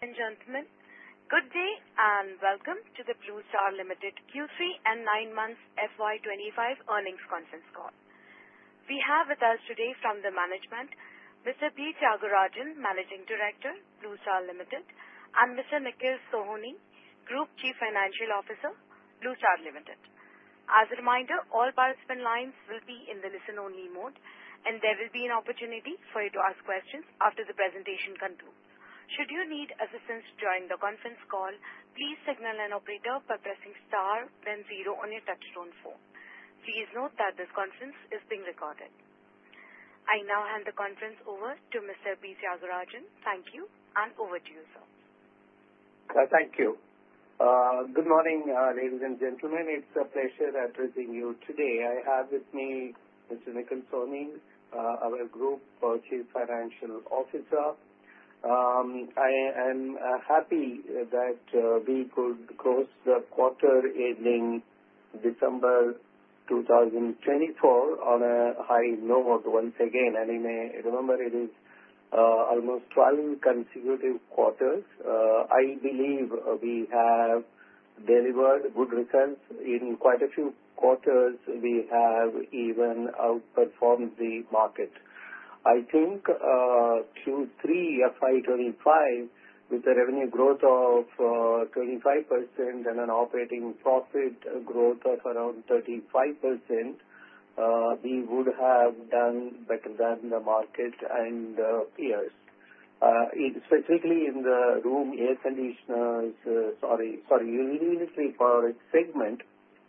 Gentlemen, good day and welcome to the Blue Star Limited Q3 and nine months FY 2025 earnings conference call. We have with us today from the management, Mr. B. Thiagarajan, Managing Director, Blue Star Limited, and Mr. Nikhil Sohoni, Group Chief Financial Officer, Blue Star Limited. As a reminder, all participant lines will be in the listen-only mode, and there will be an opportunity for you to ask questions after the presentation concludes. Should you need assistance during the conference call, please signal an operator by pressing star then zero on your touch-tone phone. Please note that this conference is being recorded. I now hand the conference over to Mr. B. Thiagarajan. Thank you, and over to you, sir. Thank you. Good morning, ladies and gentlemen. It's a pleasure addressing you today. I have with me Mr. Nikhil Sohoni, our Group Chief Financial Officer. I am happy that we could close the quarter ending December 2024 on a high note once again, and you may remember it is almost 12 consecutive quarters. I believe we have delivered good returns. In quite a few quarters, we have even outperformed the market. I think Q3 FY 2025, with a revenue growth of 25% and an operating profit growth of around 35%, we would have done better than the market and peers. Specifically in the room air conditioners, sorry, unitary products segment,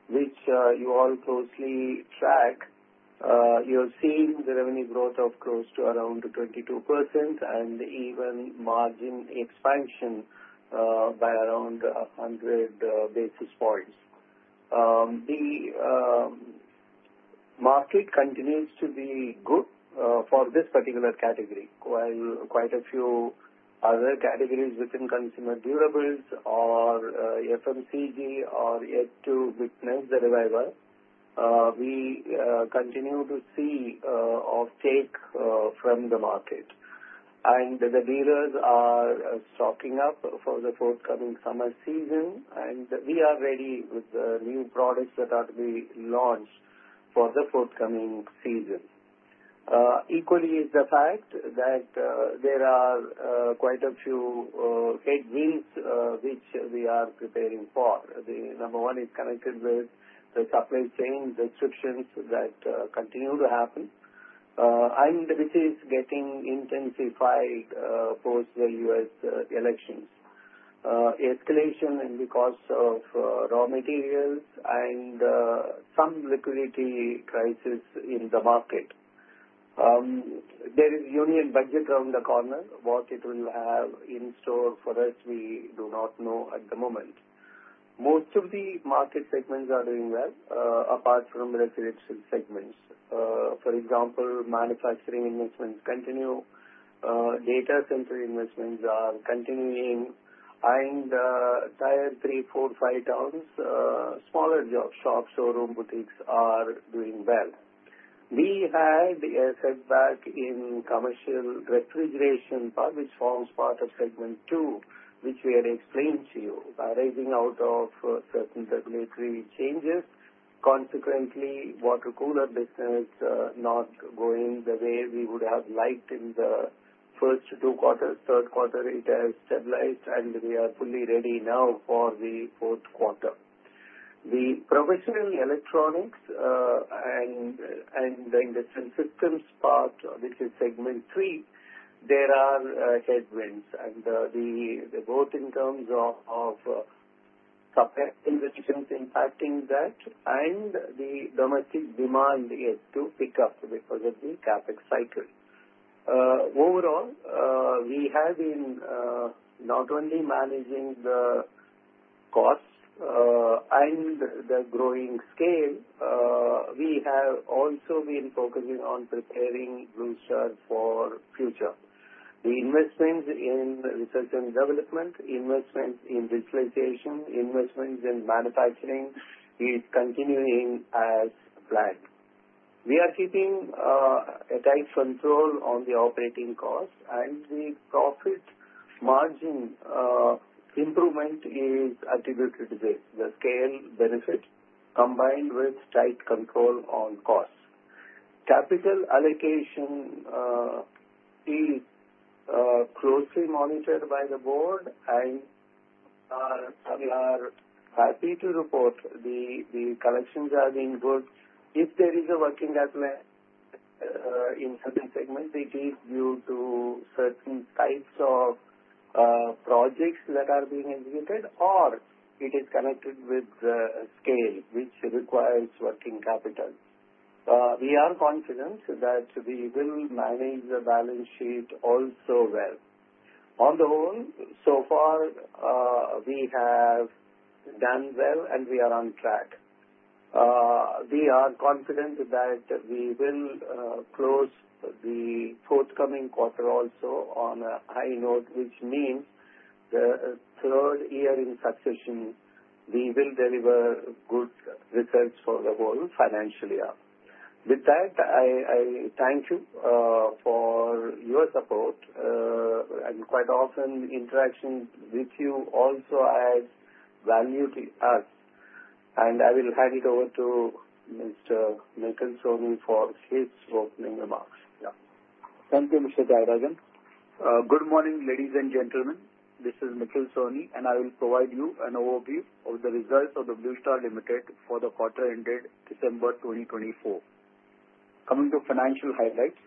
which you all closely track, you're seeing the revenue growth of close to around 22% and even margin expansion by around 100 basis points. The market continues to be good for this particular category. While quite a few other categories within consumer durables or FMCG are yet to witness the revival, we continue to see offtake from the market, and the dealers are stocking up for the forthcoming summer season, and we are ready with the new products that are to be launched for the forthcoming season. Equally is the fact that there are quite a few headwinds which we are preparing for. Number one is connected with the supply chain restrictions that continue to happen, and which is getting intensified post the U.S. elections, escalation because of raw materials and some liquidity crisis in the market. There is union budget around the corner. What it will have in store for us, we do not know at the moment. Most of the market segments are doing well, apart from residential segments. For example, manufacturing investments continue. Data center investments are continuing. The entire three, four, five towns, smaller shops, showroom boutiques are doing well. We had a setback in commercial refrigeration, which forms part of segment two, which we had explained to you. Arising out of certain regulatory changes, consequently, water cooler business not going the way we would have liked in the first two quarters. Third quarter, it has stabilized, and we are fully ready now for the fourth quarter. The professional electronics and the industrial systems part, which is segment three, there are headwinds. Both in terms of investments impacting that and the domestic demand yet to pick up because of the CapEx cycle. Overall, we have been not only managing the cost and the growing scale. We have also been focusing on preparing Blue Star for the future. The investments in research and development, investments in digitalization, investments in manufacturing is continuing as planned. We are keeping a tight control on the operating cost, and the profit margin improvement is attributed to this. The scale benefit combined with tight control on cost. Capital allocation is closely monitored by the board, and we are happy to report the collections are being good. If there is a working capital in certain segments, it is due to certain types of projects that are being executed, or it is connected with the scale, which requires working capital. We are confident that we will manage the balance sheet also well. On the whole, so far, we have done well, and we are on track. We are confident that we will close the forthcoming quarter also on a high note, which means the third year in succession, we will deliver good results for the whole financial year. With that, I thank you for your support. And quite often, interaction with you also adds value to us. And I will hand it over to Mr. Nikhil Sohoni for his opening remarks. Thank you, Mr. Thiagarajan. Good morning, ladies and gentlemen. This is Nikhil Sohoni, and I will provide you an overview of the results of the Blue Star Limited for the quarter ended December 2024. Coming to financial highlights,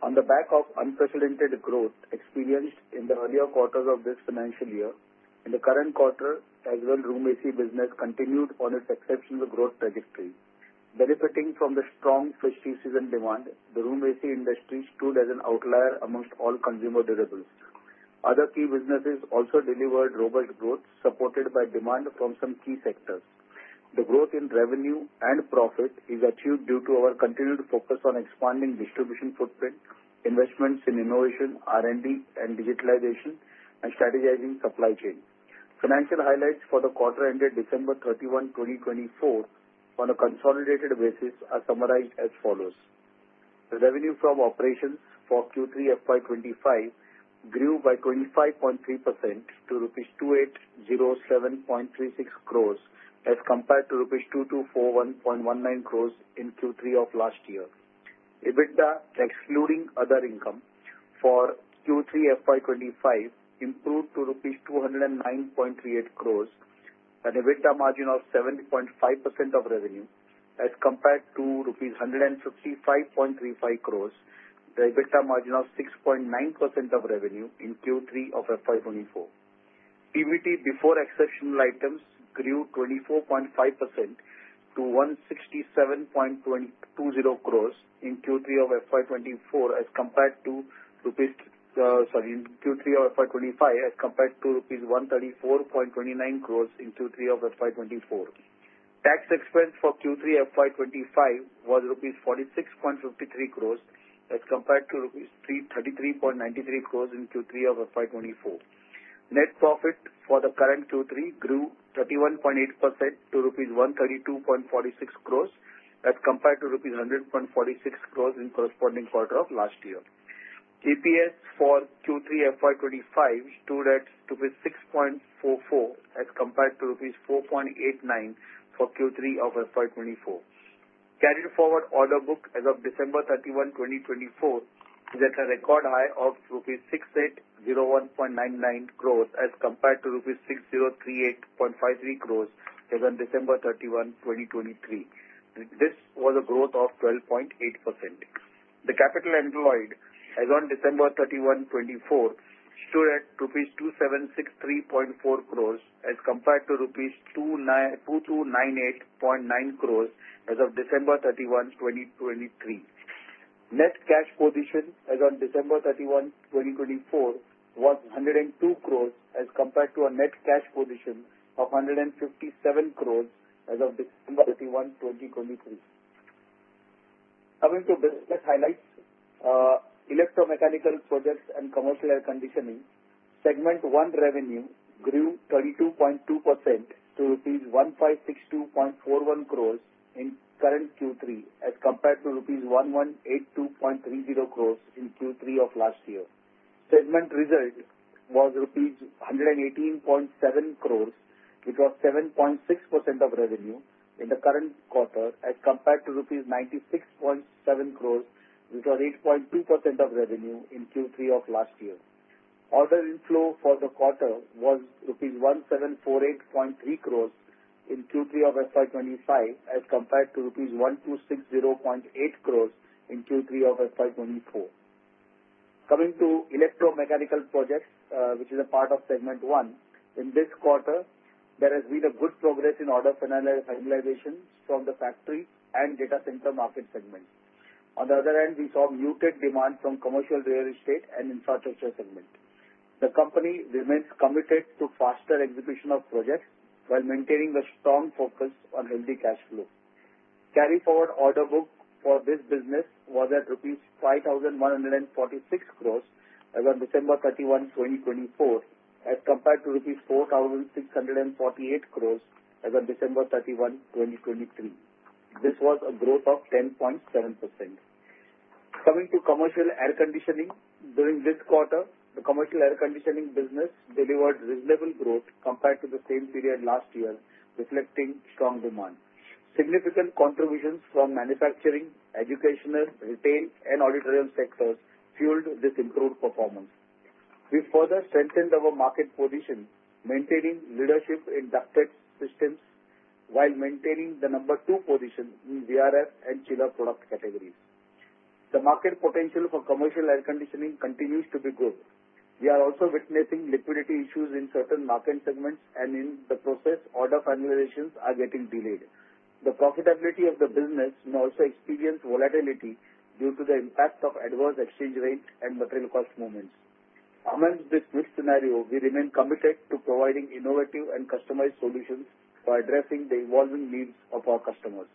on the back of unprecedented growth experienced in the earlier quarters of this financial year, in the current quarter, as well as room AC business continued on its exceptional growth trajectory. Benefiting from the strong festive season demand, the room AC industry stood as an outlier among all consumer durables. Other key businesses also delivered robust growth supported by demand from some key sectors. The growth in revenue and profit is achieved due to our continued focus on expanding distribution footprint, investments in innovation, R&D, and digitalization, and strategizing supply chain. Financial highlights for the quarter ended December 31, 2024, on a consolidated basis are summarized as follows. Revenue from operations for Q3 FY 2025 grew by 25.3% to rupees 2,807.36 crores as compared to rupees 2,241.19 crores in Q3 of last year. EBITDA, excluding other income for Q3 FY 2025, improved to rupees 209.38 crores, an EBITDA margin of 7.5% of revenue as compared to rupees 155.35 crores, the EBITDA margin of 6.9% of revenue in Q3 of FY 2024. EBITDA before exceptional items grew 24.5% to 167.20 crores in Q3 FY 2025 as compared to rupees 134.29 crores in Q3 of FY 2024. Tax expense for Q3 FY 2025 was rupees 46.53 crores as compared to rupees 33.93 crores in Q3 of FY 2024. Net profit for the current Q3 grew 31.8% to rupees 132.46 crores as compared to rupees 100.46 crores in corresponding quarter of last year. EPS for Q3 FY 2025 stood at rupees 6.44 as compared to rupees 4.89 for Q3 of FY 2024. Carried forward order book as of December 31, 2024, is at a record high of rupees 6,801.99 crores as compared to rupees 6,038.53 crores as on December 31, 2023. This was a growth of 12.8%. The capital employed as on December 31, 2024, stood at rupees 2,763.4 crores as compared to rupees 2,298.9 crores as of December 31, 2023. Net cash position as on December 31, 2024, was 102 crores as compared to a net cash position of 157 crores as of December 31, 2023. Coming to business highlights, electromechanical projects and commercial air conditioning, segment one revenue grew 32.2% to rupees 1,562.41 crores in current Q3 as compared to rupees 1,182.30 crores in Q3 of last year. Segment result was rupees 118.7 crores, which was 7.6% of revenue in the current quarter as compared to rupees 96.7 crores, which was 8.2% of revenue in Q3 of last year. Order inflow for the quarter was rupees 1,748.3 crores in Q3 of FY 2025 as compared to rupees 1,260.8 crores in Q3 of FY 2024. Coming to Electromechanical Projects, which is a part of segment one, in this quarter, there has been a good progress in order finalizations from the factory and data center market segments. On the other hand, we saw muted demand from commercial real estate and infrastructure segment. The company remains committed to faster execution of projects while maintaining a strong focus on healthy cash flow. Carry forward order book for this business was at rupees 5,146 crores as of December 31, 2024, as compared to rupees 4,648 crores as of December 31, 2023. This was a growth of 10.7%. Coming to commercial air conditioning, during this quarter, the commercial air conditioning business delivered reasonable growth compared to the same period last year, reflecting strong demand. Significant contributions from manufacturing, educational, retail, and auditorium sectors fueled this improved performance. We further strengthened our market position, maintaining leadership in ducted systems while maintaining the number two position in VRF and chiller product categories. The market potential for commercial air conditioning continues to be good. We are also witnessing liquidity issues in certain market segments, and in the process, order finalizations are getting delayed. The profitability of the business may also experience volatility due to the impact of adverse exchange rate and material cost movements. Among this mixed scenario, we remain committed to providing innovative and customized solutions for addressing the evolving needs of our customers.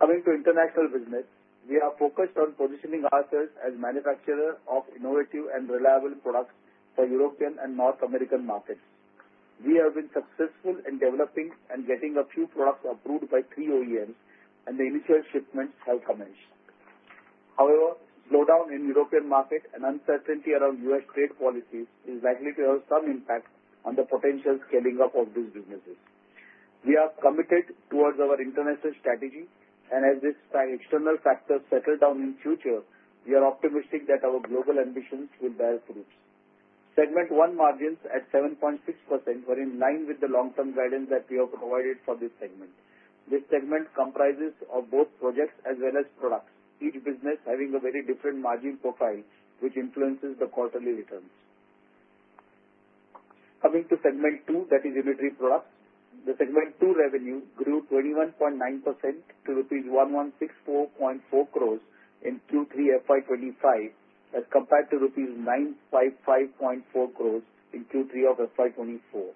Coming to international business, we are focused on positioning ourselves as manufacturers of innovative and reliable products for European and North American markets. We have been successful in developing and getting a few products approved by three OEMs, and the initial shipments have commenced. However, slowdown in European market and uncertainty around U.S. trade policies is likely to have some impact on the potential scaling up of these businesses. We are committed toward our international strategy, and as these external factors settle down in the future, we are optimistic that our global ambitions will bear fruit. Segment one margins at 7.6% were in line with the long-term guidance that we have provided for this segment. This segment comprises of both projects as well as products, each business having a very different margin profile, which influences the quarterly returns. Coming to segment two, that is unitary products, the segment two revenue grew 21.9% to rupees 1,164.4 crores in Q3 FY 2025 as compared to rupees 955.4 crores in Q3 of FY 2024.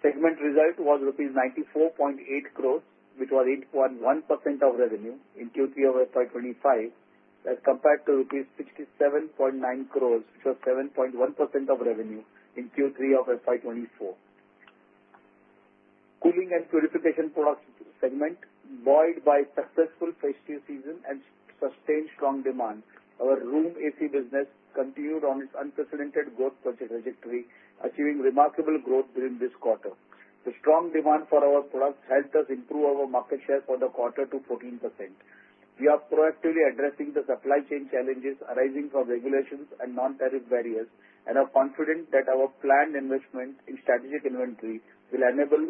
Segment result was rupees 94.8 crores, which was 8.1% of revenue in Q3 of FY 2025 as compared to rupees 67.9 crores, which was 7.1% of revenue in Q3 of FY 2024. Cooling and purification products segment, buoyed by successful festive season and sustained strong demand, our room AC business continued on its unprecedented growth trajectory, achieving remarkable growth during this quarter. The strong demand for our products helped us improve our market share for the quarter to 14%. We are proactively addressing the supply chain challenges arising from regulations and non-tariff barriers, and are confident that our planned investment in strategic inventory will enable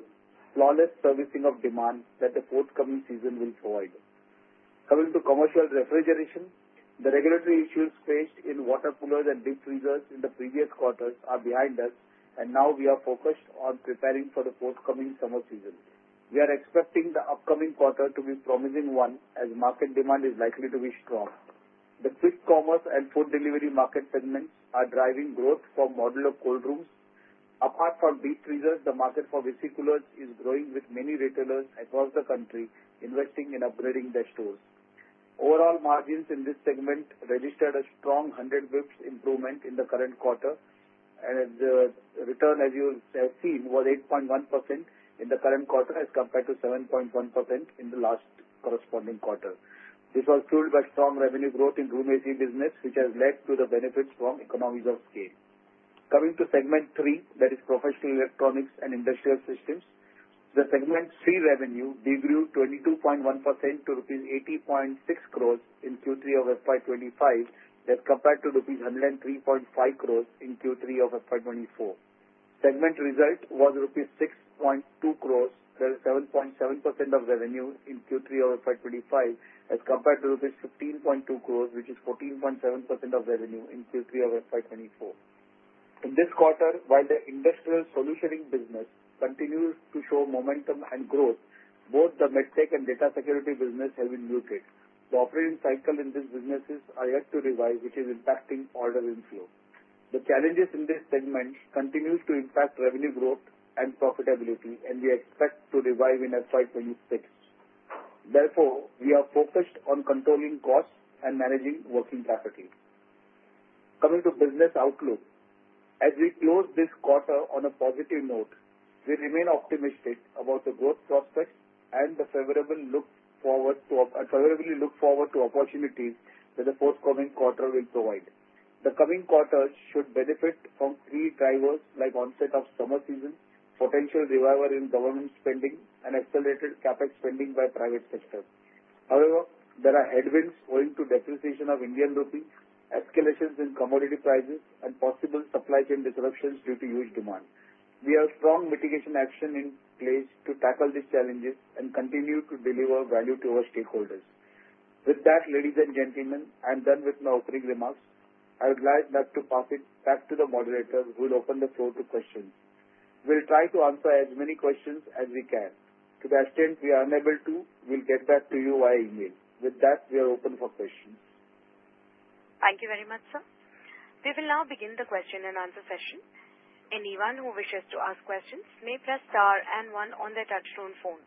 flawless servicing of demand that the forthcoming season will provide. Coming to commercial refrigeration, the regulatory issues faced in water coolers and deep freezers in the previous quarters are behind us, and now we are focused on preparing for the forthcoming summer season. We are expecting the upcoming quarter to be a promising one as market demand is likely to be strong. The quick commerce and food delivery market segments are driving growth for modular cold rooms. Apart from deep freezers, the market for Visi Coolers is growing with many retailers across the country investing in upgrading their stores. Overall margins in this segment registered a strong 100 basis points improvement in the current quarter, and the return, as you have seen, was 8.1% in the current quarter as compared to 7.1% in the last corresponding quarter. This was fueled by strong revenue growth in room AC business, which has led to the benefits from economies of scale. Coming to segment three, that is professional electronics and industrial systems, the segment three revenue degrew 22.1% to rupees 80.6 crores in Q3 of FY 2025 as compared to rupees 103.5 crores in Q3 of FY 2024. Segment result was rupees 6.2 crores, where 7.7% of revenue in Q3 of FY 2025 as compared to rupees 15.2 crores, which is 14.7% of revenue in Q3 of FY 2024. In this quarter, while the industrial solutioning business continues to show momentum and growth, both the medtech and data security business have been muted. The operating cycle in these businesses are yet to revive, which is impacting order inflow. The challenges in this segment continue to impact revenue growth and profitability, and we expect to revive in FY 2026. Therefore, we are focused on controlling costs and managing working capital. Coming to business outlook, as we close this quarter on a positive note, we remain optimistic about the growth prospects and the favorable look forward to opportunities that the forthcoming quarter will provide. The coming quarter should benefit from three drivers like onset of summer season, potential revival in government spending, and accelerated CapEx spending by private sector. However, there are headwinds owing to depreciation of Indian rupees, escalations in commodity prices, and possible supply chain disruptions due to huge demand. We have strong mitigation action in place to tackle these challenges and continue to deliver value to our stakeholders. With that, ladies and gentlemen, I'm done with my opening remarks. I would like now to pass it back to the moderator, who will open the floor to questions. We'll try to answer as many questions as we can. To the extent we are unable to, we'll get back to you via email. With that, we are open for questions. Thank you very much, sir. We will now begin the question and answer session. Anyone who wishes to ask questions may press star and one on their touch-tone phone.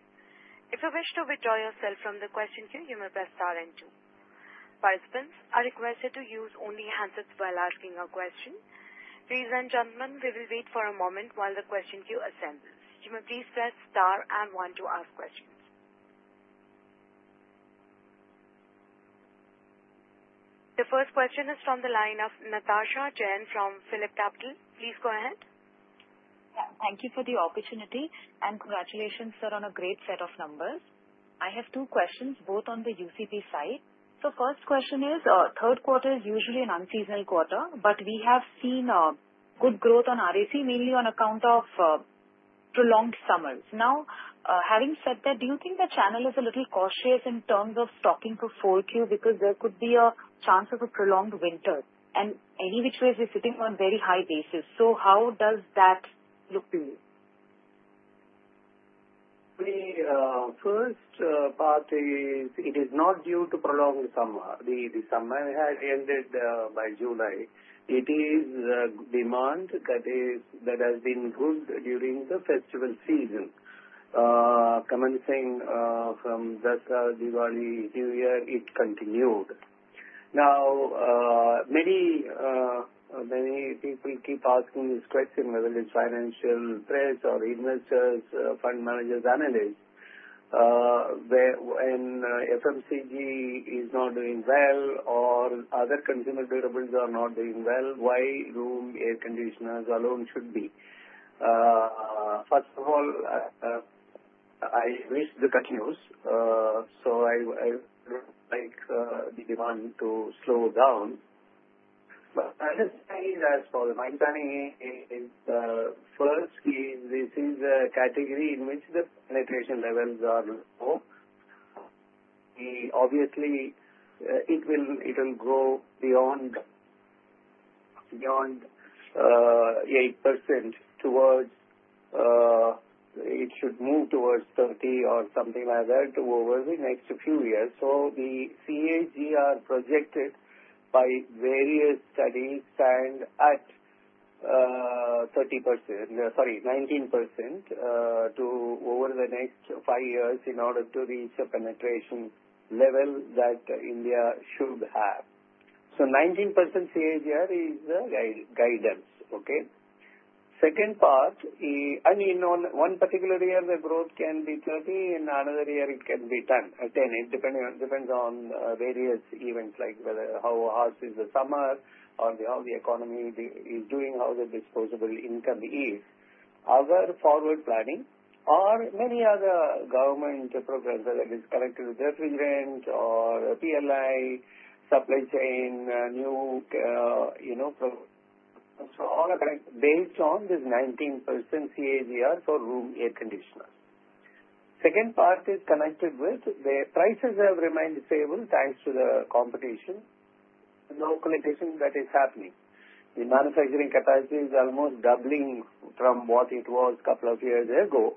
If you wish to withdraw yourself from the question queue, you may press star and two. Participants are requested to use only handsets while asking a question. Ladies and gentlemen, we will wait for a moment while the question queue assembles. You may please press star and one to ask questions. The first question is from the line of Natasha Jain from PhillipCapital. Please go ahead. Thank you for the opportunity, and congratulations, sir, on a great set of numbers. I have two questions, both on the UCP side. So the first question is, the third quarter is usually an unseasonal quarter, but we have seen good growth on RAC, mainly on account of prolonged summers. Now, having said that, do you think the channel is a little cautious in terms of stocking to 4Q because there could be a chance of a prolonged winter? And any which way is sitting on a very high basis. So how does that look to you? The first part is, it is not due to the prolonged summer. The summer has ended by July. It is demand that has been good during the festival season, commencing from Dussehra, Diwali, New Year; it continued. Now, many people keep asking this question, whether it's financial press or investors, fund managers, analysts, when FMCG is not doing well or other consumer durables are not doing well, why room air conditioners alone should be? First of all, I wish the good news, so I would like the demand to slow down. But I'll say that for my journey, first, this is a category in which the penetration levels are low. Obviously, it will grow beyond 8% towards it should move towards 30% or something like that over the next few years. So the CAGR projected by various studies stands at 30%, sorry, 19% over the next five years in order to reach a penetration level that India should have. So 19% CAGR is the guidance, okay? Second part, I mean, in one particular year, the growth can be 30%, and another year it can be 10%. It depends on various events, like how harsh is the summer or how the economy is doing, how the disposable income is, other forward planning, or many other government programs that are connected to refrigerant or PLI, supply chain, new. So all are connected based on this 19% CAGR for room air conditioners. Second part is connected with the prices have remained stable thanks to the competition. No competition that is happening. The manufacturing capacity is almost doubling from what it was a couple of years ago,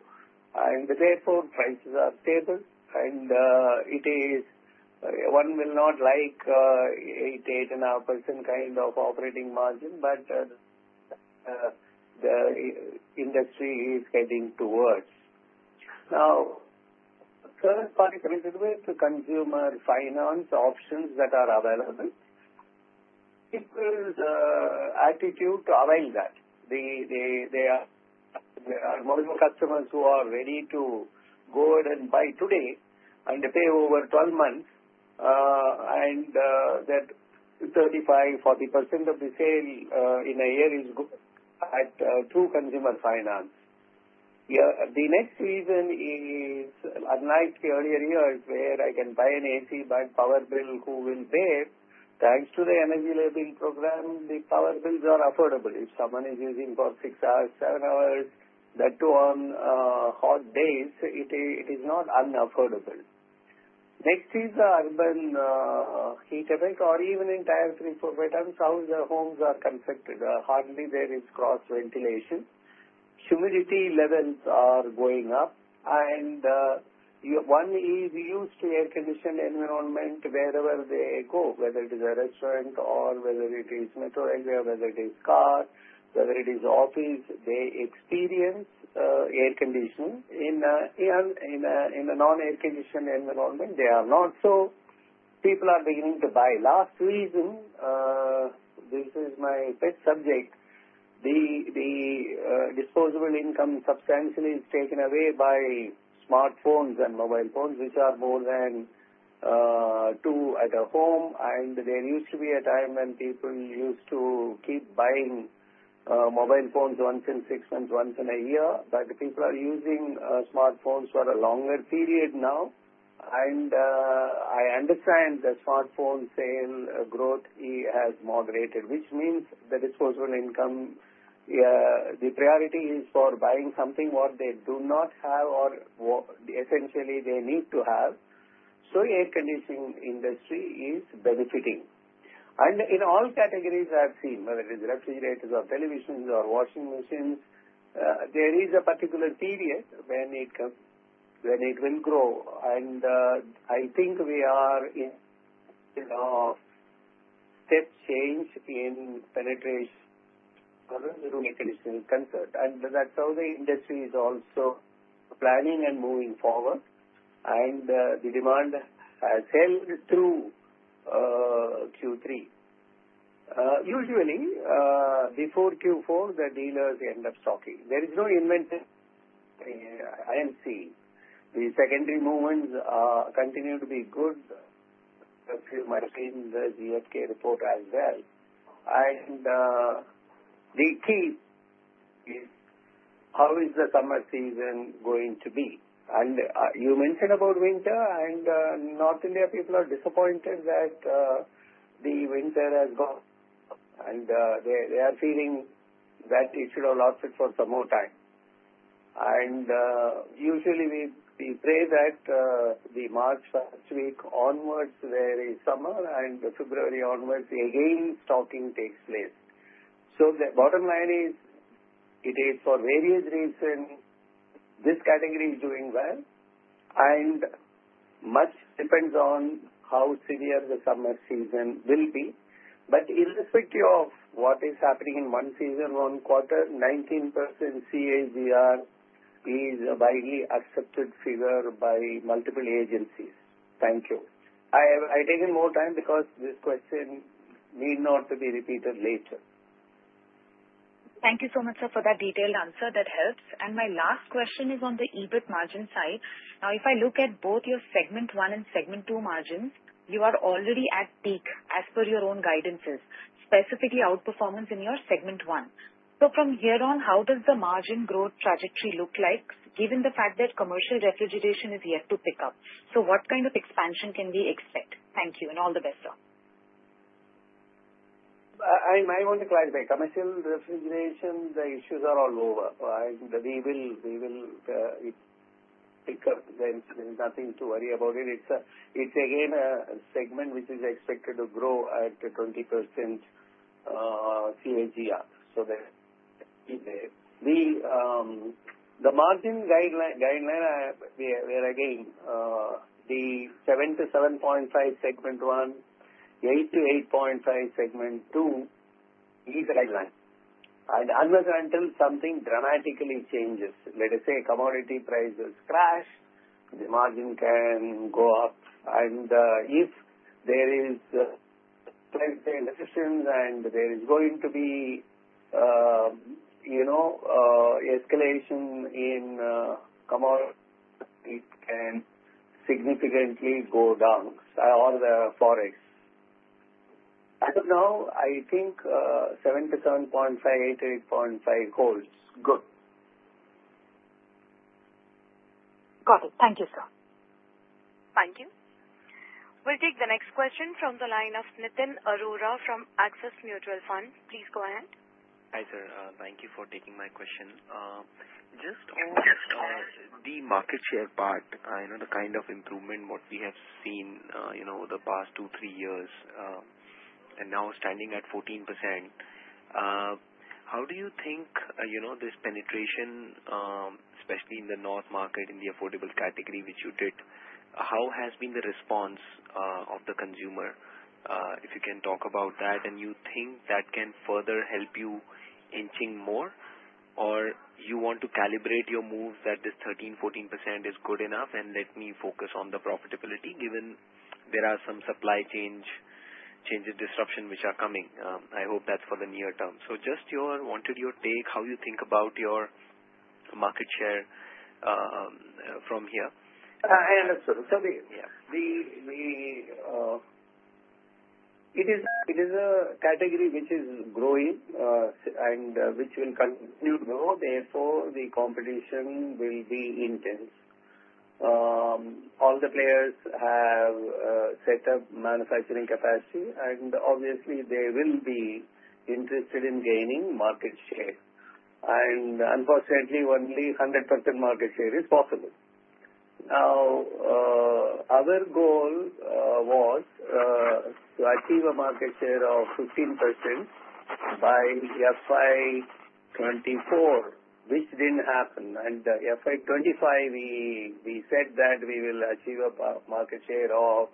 and therefore, prices are stable. One will not like eight, 8.5% kind of operating margin, but the industry is getting towards. Now, third part is related to consumer finance options that are available. People's attitude to avail that. There are multiple customers who are ready to go ahead and buy today and pay over 12 months, and that 35%-40% of the sale in a year is good at true consumer finance. The next reason is, unlike earlier years where I can buy an AC by power bill who will pay, thanks to the energy labeling program, the power bills are affordable. If someone is using for six hours, seven hours, that too on hot days, it is not unaffordable. Next is the urban heat effect or even entire three to four times how the homes are constructed. Hardly there is cross ventilation. Humidity levels are going up. And one is used to air-conditioned environment wherever they go, whether it is a restaurant or whether it is metro area, whether it is car, whether it is office. They experience air conditioning. In a non-air-conditioned environment, they are not, so people are beginning to buy. Last reason, this is my subject, the disposable income substantially is taken away by smartphones and mobile phones, which are more than two at a home, and there used to be a time when people used to keep buying mobile phones once in six months, once in a year, but people are using smartphones for a longer period now, and I understand the smartphone sales growth has moderated, which means the disposable income, the priority is for buying something what they do not have or essentially they need to have, so the air conditioning industry is benefiting, and in all categories I've seen, whether it is refrigerators or televisions or washing machines, there is a particular period when it will grow. I think we are in a step change in penetration of room air conditioning ownership. That's how the industry is also planning and moving forward. The demand has held through Q3. Usually, before Q4, the dealers end up stocking. There is no inventory I am seeing. The secondary movements continue to be good. My opinion is the GfK report as well. The key is, how is the summer season going to be? You mentioned about winter, and North India people are disappointed that the winter has gone. They are feeling that it should have lasted for some more time. Usually, we pray that the March first week onwards, there is summer, and February onwards, again, stocking takes place. The bottom line is it is for various reasons. This category is doing well. And much depends on how severe the summer season will be. But irrespective of what is happening in one season, one quarter, 19% CAGR is a widely accepted figure by multiple agencies. Thank you. I take in more time because this question need not to be repeated later. Thank you so much, sir, for that detailed answer. That helps. And my last question is on the EBIT margin side. Now, if I look at both your segment one and segment two margins, you are already at peak as per your own guidances, specifically outperformance in your segment one. So from here on, how does the margin growth trajectory look like given the fact that commercial refrigeration is yet to pick up? So what kind of expansion can we expect? Thank you. And all the best, sir. I want to clarify. Commercial refrigeration, the issues are all over. And we will pick up. There is nothing to worry about it. It's again a segment which is expected to grow at 20% CAGR. So the margin guideline, where again, the 7%-7.5% segment one, 8%-8.5% segment two, these guidelines. Unless and until something dramatically changes, let us say commodity prices crash, the margin can go up. And if there is, let us say, inflation and there is going to be escalation in commodities, it can significantly go down or the forex. As of now, I think 7%-7.5%, 8%-8.5% holds good. Got it. Thank you, sir. Thank you. We'll take the next question from the line of Nitin Arora from Axis Mutual Fund. Please go ahead. Hi, sir. Thank you for taking my question. Just on the market share part, the kind of improvement what we have seen the past two, three years, and now standing at 14%, how do you think this penetration, especially in the north market, in the affordable category which you did, how has been the response of the consumer? If you can talk about that, and you think that can further help you inching more, or you want to calibrate your moves that this 13%-14% is good enough and let me focus on the profitability given there are some supply chain disruptions which are coming? I hope that's for the near term. So just wanted your take, how you think about your market share from here. I understood. So it is a category which is growing and which will continue to grow. Therefore, the competition will be intense. All the players have set up manufacturing capacity, and obviously, they will be interested in gaining market share, and unfortunately, only 100% market share is possible. Now, our goal was to achieve a market share of 15% by FY 2024, which didn't happen, and FY 2025, we said that we will achieve a market share of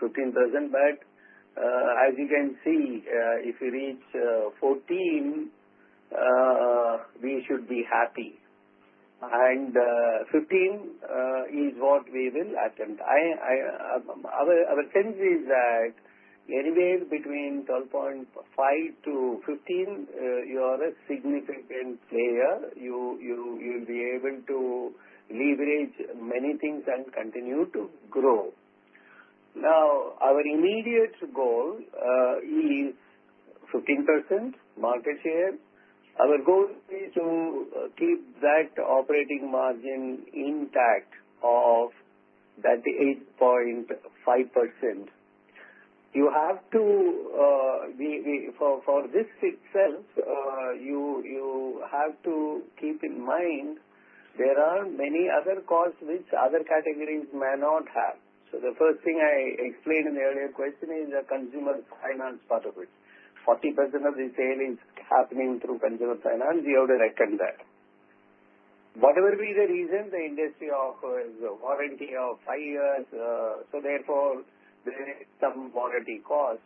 15%, but as you can see, if we reach 14, we should be happy, and 15 is what we will attempt. Our tendency is that anywhere between 12.5%-15%, you are a significant player. You will be able to leverage many things and continue to grow. Now, our immediate goal is 15% market share. Our goal is to keep that operating margin intact of that 8.5%. You have to, for this itself, you have to keep in mind there are many other costs which other categories may not have. So the first thing I explained in the earlier question is the consumer finance part of it. 40% of the sale is happening through consumer finance. We have to reckon that. Whatever be the reason, the industry offers a warranty of five years. So therefore, there is some warranty cost.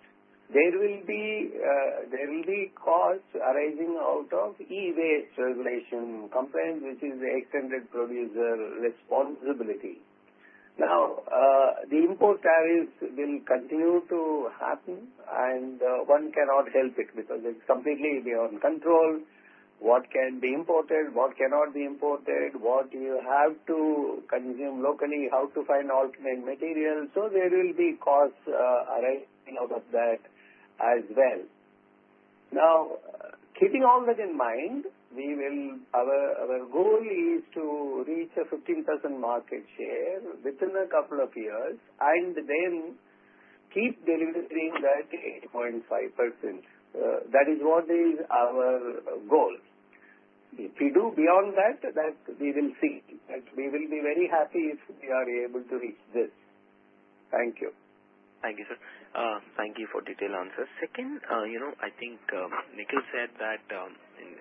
There will be costs arising out of e-waste regulation compliance, which is the extended producer responsibility. Now, the import tariffs will continue to happen, and one cannot help it because it's completely beyond control. What can be imported, what cannot be imported, what you have to consume locally, how to find alternate material. So there will be costs arising out of that as well. Now, keeping all that in mind, our goal is to reach a 15% market share within a couple of years and then keep delivering that 8.5%. That is what is our goal. If we do beyond that, we will see. We will be very happy if we are able to reach this. Thank you. Thank you, sir. Thank you for detailed answers. Second, I think Nikhil said that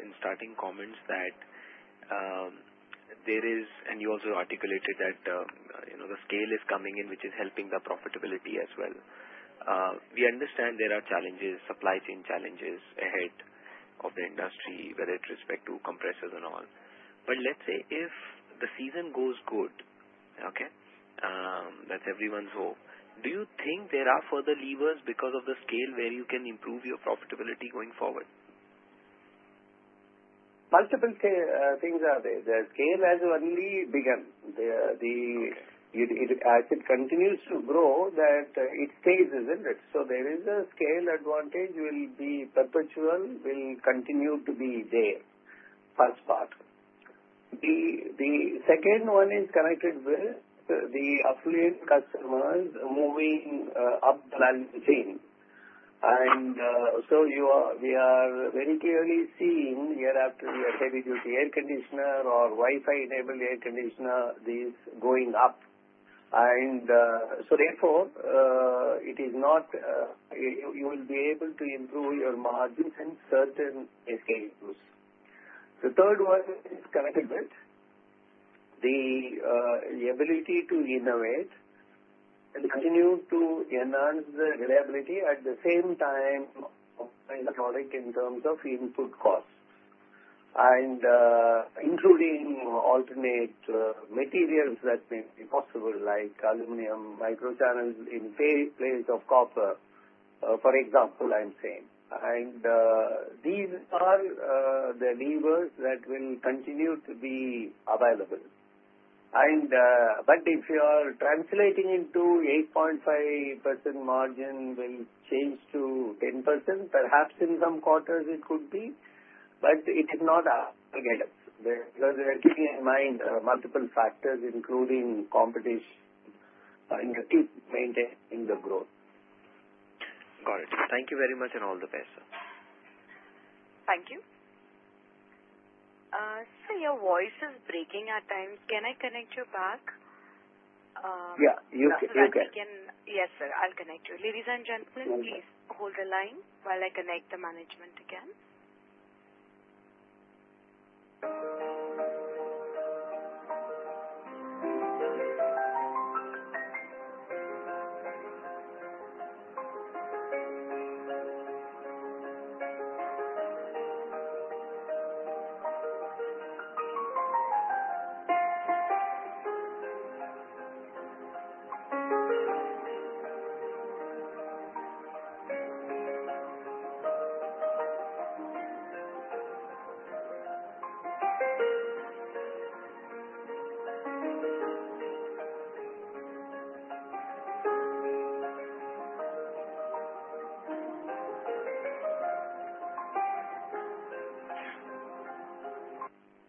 in starting comments that there is, and you also articulated that the scale is coming in, which is helping the profitability as well. We understand there are challenges, supply chain challenges ahead of the industry, with respect to compressors and all. But let's say if the season goes good, okay, that's everyone's hope. Do you think there are further levers because of the scale where you can improve your profitability going forward? Multiple things are there. The scale has only begun. As it continues to grow, it stays, isn't it? So there is a scale advantage will be perpetual, will continue to be there. First part. The second one is connected with the affluent customers moving up the value chain, and so we are very clearly seeing year after year heavy-duty air conditioner or Wi-Fi-enabled air conditioner, these going up, and so therefore, it is not you will be able to improve your margins in certain cases. The third one is connected with the ability to innovate and continue to enhance the reliability at the same time economic in terms of input costs, including alternate materials that may be possible like aluminum microchannels in place of copper, for example, I'm saying, and these are the levers that will continue to be available. But if you are translating into 8.5% margin, will change to 10%, perhaps in some quarters it could be, but it is not up against, keeping in mind multiple factors, including competition, and keep maintaining the growth. Got it. Thank you very much and all the best, sir. Thank you. Sir, your voice is breaking at times. Can I connect you back? Yeah, you can. Yes, sir. I'll connect you. Ladies and gentlemen, please hold the line while I connect the management again.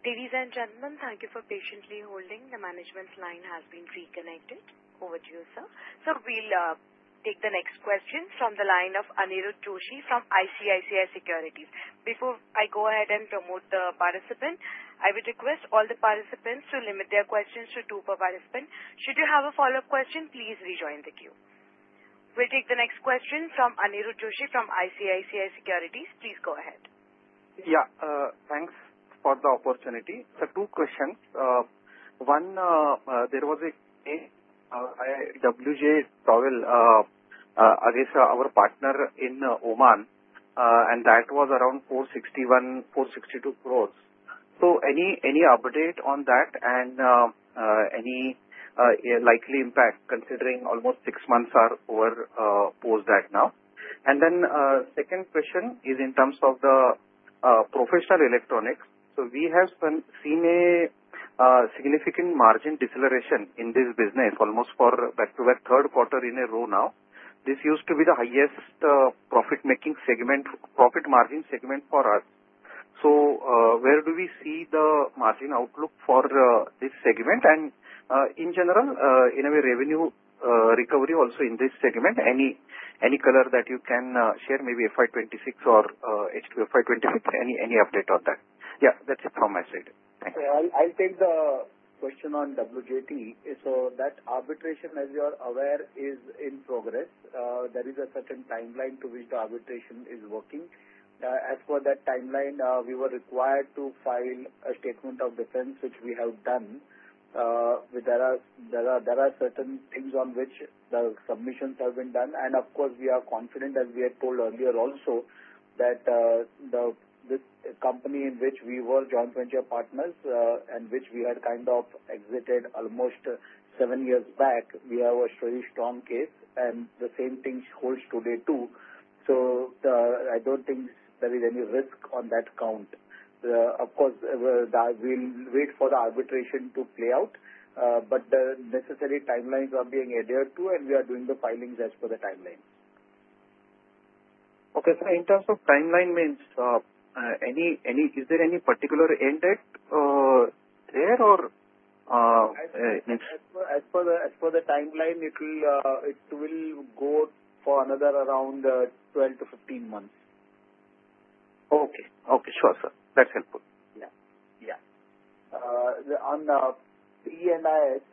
Ladies and gentlemen, thank you for patiently holding. The management's line has been reconnected. Over to you, sir. So we'll take the next questions from the line of Aniruddha Joshi from ICICI Securities. Before I go ahead and promote the participant, I would request all the participants to limit their questions to two per participant. Should you have a follow-up question, please rejoin the queue. We'll take the next question from Aniruddha Joshi from ICICI Securities. Please go ahead. Yeah. Thanks for the opportunity. So two questions. One, there was a W.J. Towell against our partner in Oman, and that was around 461-462 crores. So, any update on that and any likely impact considering almost six months are over post that now? And then, the second question is in terms of the electromechanical projects. So we have seen a significant margin deceleration in this business, almost back-to-back third quarter in a row now. This used to be the highest profit-making segment, profit margin segment for us. So where do we see the margin outlook for this segment? And in general, in a way, revenue recovery also in this segment. Any color that you can share, maybe FY 2026 or H2 FY 2026, any update on that? Yeah, that's it from my side. Thank you. I'll take the question on WJT. So that arbitration, as you are aware, is in progress. There is a certain timeline to which the arbitration is working. As for that timeline, we were required to file a statement of defense, which we have done. There are certain things on which the submissions have been done, and of course, we are confident, as we had told earlier also, that the company in which we were joint venture partners and which we had kind of exited almost seven years back, we have a very strong case, and the same thing holds today too, so I don't think there is any risk on that count. Of course, we'll wait for the arbitration to play out, but the necessary timelines are being adhered to, and we are doing the filings as per the timeline. Okay. So in terms of timeline means, is there any particular end date there or? As for the timeline, it will go for another around 12-15 months. Okay. Okay. Sure, sir. That's helpful. Yeah. Yeah. On the E&IS,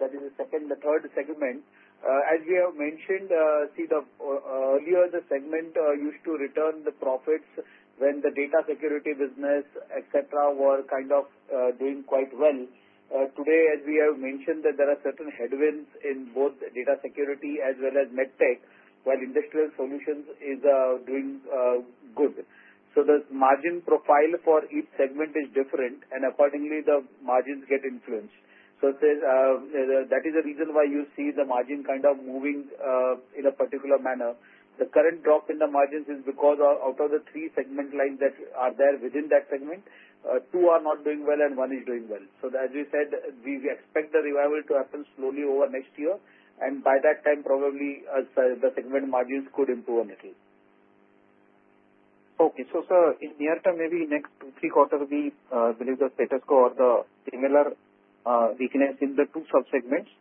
that is the second, the third segment, as we have mentioned, see earlier, the segment used to return the profits when the data security business, etc., were kind of doing quite well. Today, as we have mentioned, there are certain headwinds in both data security as well as medtech, while industrial solutions are doing good. So the margin profile for each segment is different, and accordingly, the margins get influenced. So that is the reason why you see the margin kind of moving in a particular manner. The current drop in the margins is because out of the three segment lines that are there within that segment, two are not doing well, and one is doing well. So as we said, we expect the revival to happen slowly over next year, and by that time, probably the segment margins could improve a little. Okay. So sir, in near term, maybe next three quarters, we believe the status quo or the similar weakness in the two subsegments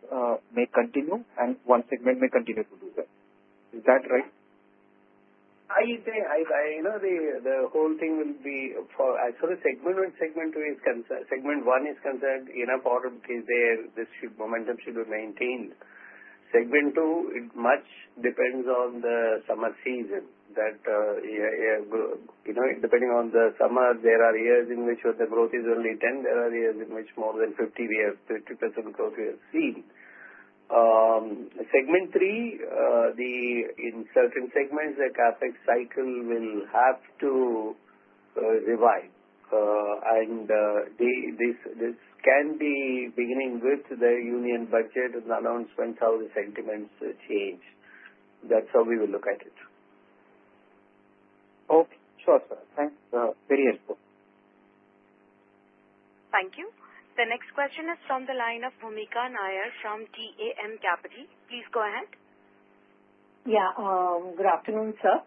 may continue, and one segment may continue to do that. Is that right? I would say the whole thing will be for as for the segment, one segment is considered enough order because this momentum should be maintained. Segment two, it much depends on the summer season. Depending on the summer, there are years in which the growth is only 10. There are years in which more than 50% growth we have seen. Segment three, in certain segments, the CapEx cycle will have to revive. And this can be beginning with the union budget and announcements how the sentiments change. That's how we will look at it. Okay. Sure, sir. Thanks. Very helpful. Thank you. The next question is from the line of Bhumika Nair from DAM Capital. Please go ahead. Yeah. Good afternoon, sir.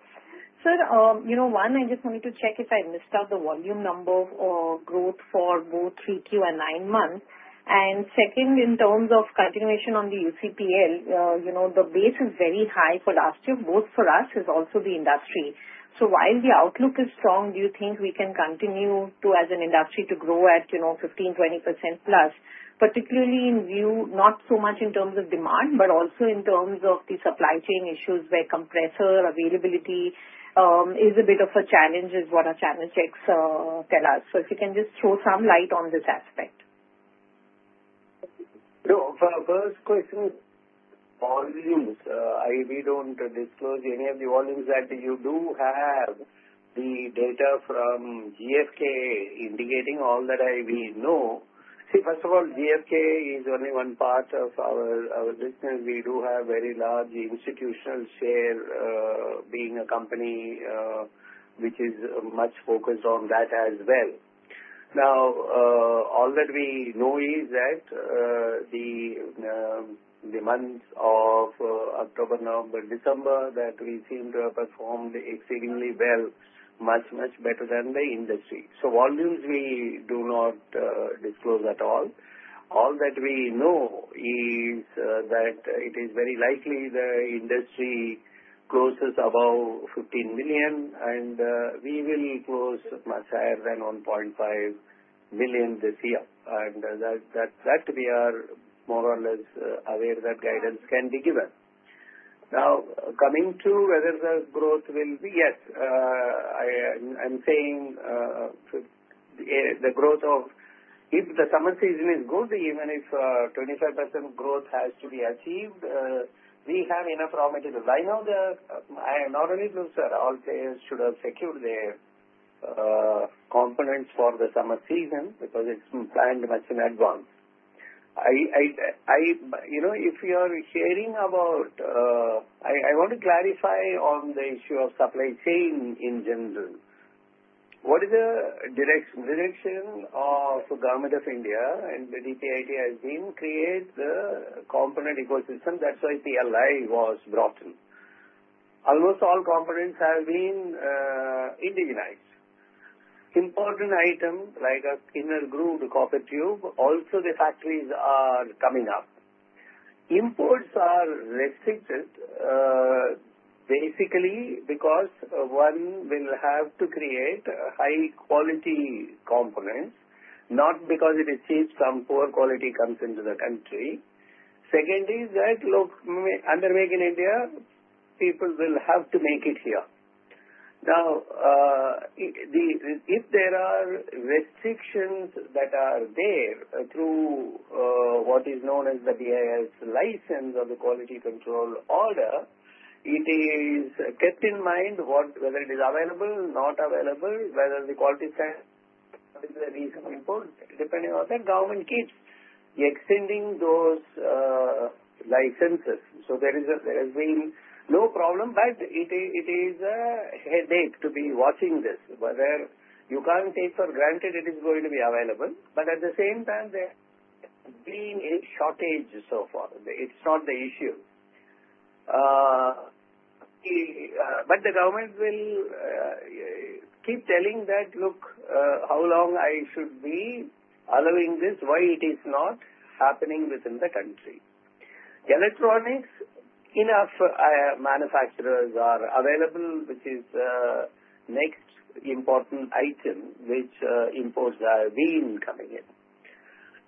Sir, one, I just wanted to check if I missed out the volume number or growth for both Q3 and nine months. And second, in terms of continuation on the RAC, the base is very high for last year, both for us and also the industry. So while the outlook is strong, do you think we can continue as an industry to grow at 15%-20% plus, particularly in view not so much in terms of demand, but also in terms of the supply chain issues where compressor availability is a bit of a challenge is what our channel checks tell us? So if you can just throw some light on this aspect. So first question, volumes. We don't disclose any of the volumes. You do have the data from GfK indicating all that I know. See, first of all, GfK is only one part of our business. We do have very large institutional share being a company which is much focused on that as well. Now, all that we know is that the months of October, November, December that we seem to have performed exceedingly well, much, much better than the industry. So volumes we do not disclose at all. All that we know is that it is very likely the industry closes above 15 million, and we will close much higher than 1.5 million this year. And that we are more or less aware that guidance can be given. Now, coming to whether the growth will be, yes, I'm saying the growth of if the summer season is good, even if 25% growth has to be achieved, we have enough raw materials. I know that not only, sir, all players should have secured their components for the summer season because it's planned much in advance. If you are hearing about, I want to clarify on the issue of supply chain in general. What is the direction? Direction of Government of India and the DPIIT has been to create the component ecosystem. That's why PLI was brought in. Almost all components have been indigenized. Important item like a inner grooved copper tube, also the factories are coming up. Imports are restricted basically because one will have to create high-quality components, not because it is cheap, some poor quality comes into the country. Second is that under Make in India, people will have to make it here. Now, if there are restrictions that are there through what is known as the BIS license or the quality control order, it is kept in mind whether it is available, not available, whether the quality standards are reasonably important. Depending on that, government keeps extending those licenses. So there has been no problem, but it is a headache to be watching this. You can't take for granted it is going to be available, but at the same time, there has been a shortage so far. It's not the issue. But the government will keep telling that, "Look how long I should be allowing this, why it is not happening within the country." Electronics, enough manufacturers are available, which is the next important item which imports have been coming in.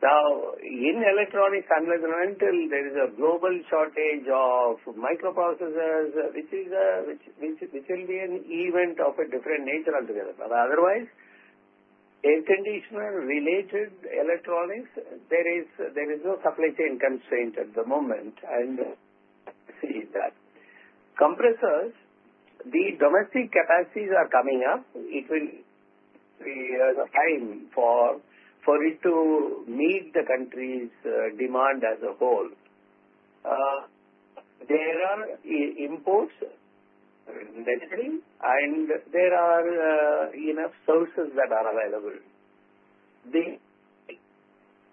Now, in electronics, unless and until there is a global shortage of microprocessors, which will be an event of a different nature altogether. Otherwise, air conditioner-related electronics, there is no supply chain constraint at the moment. And see that. Compressors, the domestic capacities are coming up. It will be a time for it to meet the country's demand as a whole. There are imports readily, and there are enough sources that are available. The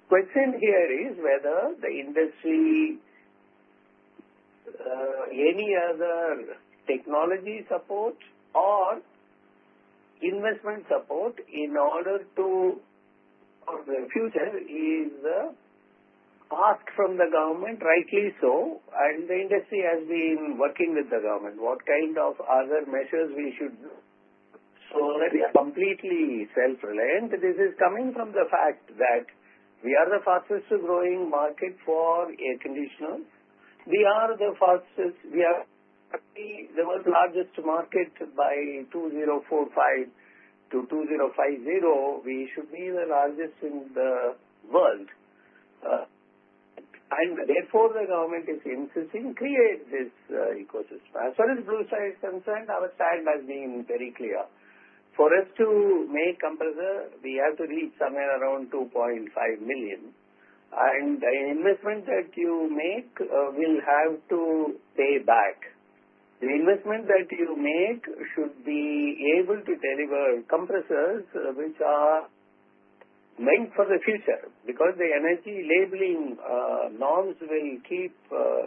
question here is whether the industry, any other technology support or investment support in order to the future is asked from the government, rightly so, and the industry has been working with the government. What kind of other measures we should do? Let me completely self-reliant. This is coming from the fact that we are the fastest growing market for air conditioners. We are the fastest. We are the world's largest market by 2045-2050. We should be the largest in the world, and therefore the government is insisting create this ecosystem. As far as Blue Star is concerned, our stand has been very clear. For us to make compressor, we have to reach somewhere around 2.5 million, and the investment that you make will have to pay back. The investment that you make should be able to deliver compressors which are meant for the future because the energy labeling norms will keep